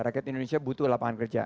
rakyat indonesia butuh lapangan kerja